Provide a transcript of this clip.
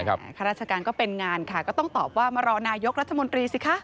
ข้าราชการก็เป็นงานค่ะก็ต้องตอบว่ามารอนายกรัฐมนตรีสิคะ